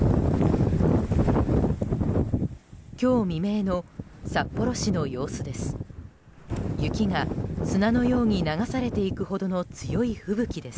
今日未明の札幌市の様子です。